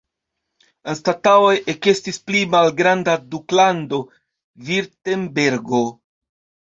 Anstataŭe ekestis pli malgranda duklando Virtembergo.